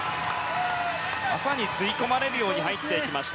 まさに吸い込まれるように入っていきました。